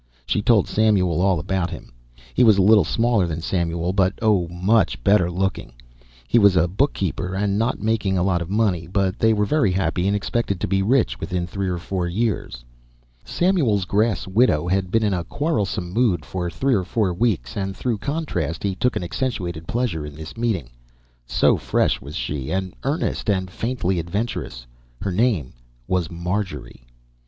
She told Samuel all about him: he was a little smaller than Samuel, but, oh, MUCH better looking. He was a book keeper and not making a lot of money, but they were very happy and expected to be rich within three or four years. Samuel's grass widow had been in a quarrelsome mood for three or four weeks, and through contrast, he took an accentuated pleasure in this meeting; so fresh was she, and earnest, and faintly adventurous. Her name was Marjorie.